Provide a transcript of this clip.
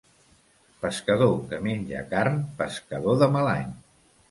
Pescador que menja carn, pescador de mal any.